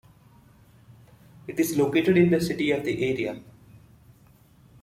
It is located in the city of the area.